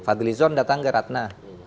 fadli zon datang ke ratna